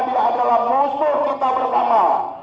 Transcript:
dia adalah musuh kita pertama